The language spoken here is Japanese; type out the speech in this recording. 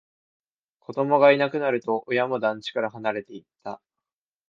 子供がいなくなると、親も団地から離れていった